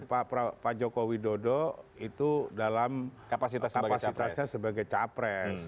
pak jokowi dodo itu dalam kapasitasnya sebagai capres